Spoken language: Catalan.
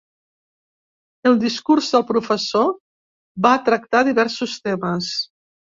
El discurs del professor va tractar diversos temes.